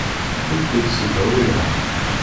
Ur kent-ssezhuyeɣ.